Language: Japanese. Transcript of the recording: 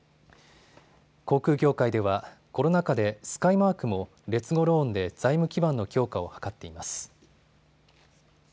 航空業界ではコロナ禍でスカイマークも、劣後ローンで財務基盤の強化を図っています。